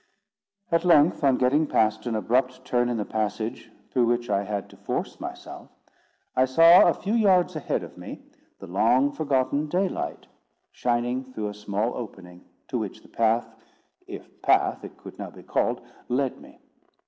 At length, on getting past an abrupt turn in the passage, through which I had to force myself, I saw, a few yards ahead of me, the long forgotten daylight shining through a small opening, to which the path, if path it could now be called, led me.